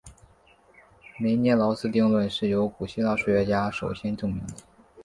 梅涅劳斯定理是由古希腊数学家首先证明的。